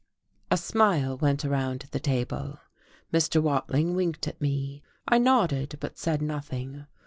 A smile went around the table. Mr. Watling winked at me; I nodded, but said nothing.